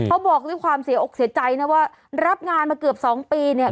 เขาบอกด้วยความเสียอกเสียใจนะว่ารับงานมาเกือบสองปีเนี่ย